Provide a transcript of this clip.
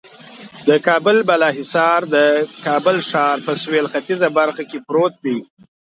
د کابل بالا حصار د کابل ښار په سهیل ختیځه برخه کې پروت دی.